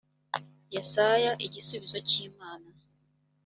yesaya igisubizo cy imana